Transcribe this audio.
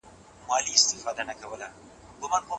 په قلم خط لیکل د رسمي اسنادو لپاره مهم دي.